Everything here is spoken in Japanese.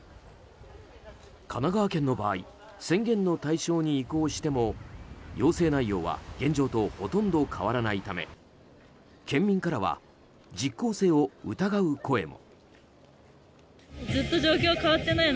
神奈川県の場合宣言の対象に移行しても要請内容は現状とほとんど変わらないため県民からは実効性を疑う声も。